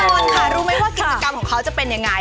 ออนค่ะรู้ไหมว่ากิจกรรมของเขาจะเป็นยังไง